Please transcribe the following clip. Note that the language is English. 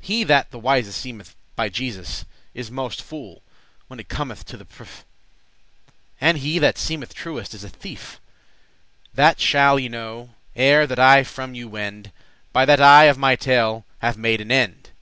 He that the wisest seemeth, by Jesus, Is most fool, when it cometh to the prefe;* *proof, test And he that seemeth truest, is a thief. That shall ye know, ere that I from you wend; By that I of my tale have made an end.